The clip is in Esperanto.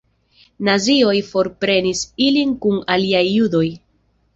Nazioj forprenis ilin kun aliaj judoj.